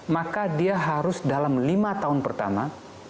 maka dia harus dalam lima tahun pertama